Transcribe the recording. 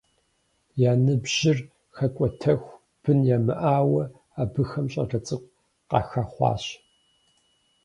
Я ныбжьыр хэкӏуэтэху бын ямыӏауэ, абыхэм щӏалэ цӏыкӏу къахэхъуащ.